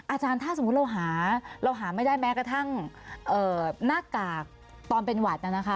อาจารย์ถ้าสมมุติเราหาเราหาไม่ได้แม้กระทั่งหน้ากากตอนเป็นหวัดน่ะนะคะ